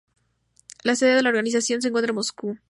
La sede de la organización se encuentra en Moscú.